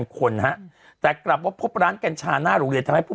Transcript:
คนฮะแต่กลับว่าพบร้านกัญชาหน้าโรงเรียนทำให้ผู้